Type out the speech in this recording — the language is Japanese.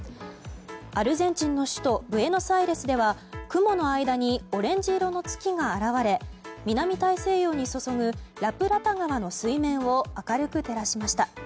アルゼンチンの首都ブエノスアイレスでは雲の間にオレンジ色の月が現れ南大西洋に注ぐラプラタ川の水面を明るく照らしました。